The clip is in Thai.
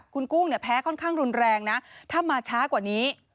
คุณกุ้งเนี่ยแพ้ค่อนข้างรุนแรงนะถ้ามาช้ากว่านี้